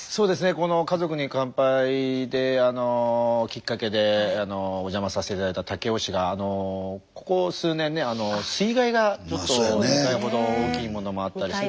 この「家族に乾杯」できっかけでお邪魔させて頂いた武雄市がここ数年ね水害がちょっと２回ほど大きいものもあったりして。